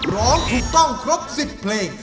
ร้องถูกต้องครบ๑๐เพลง